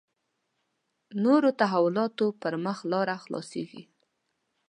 نورو تحولاتو پر مخ لاره خلاصېږي.